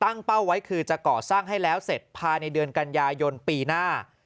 เป้าไว้คือจะก่อสร้างให้แล้วเสร็จภายในเดือนกันยายนปีหน้า